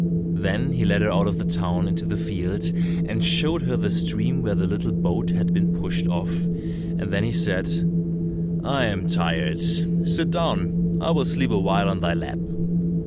Then he led her out of the town into the field, and showed her the stream where the little boat had been pushed off, and then he said, "I am tired; sit down, I will sleep awhile on thy lap."